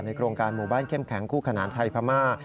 โครงการหมู่บ้านเข้มแข็งคู่ขนานไทยพม่า